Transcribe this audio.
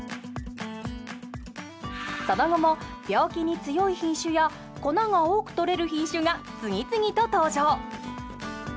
その後も病気に強い品種や粉が多く取れる品種が次々と登場。